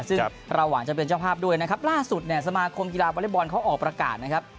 ซึ่งเราหวังจะเป็นเจ้าภาพด้วยนะครับล่าสุดเนี่ยสมาคมกีฬาวอเล็กบอลเขาออกประกาศนะครับ